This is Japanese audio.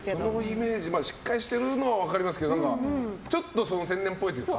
しっかりしているのは分かりますけどちょっと天然っぽいっていうか。